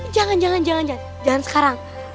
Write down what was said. jangan jangan jangan sekarang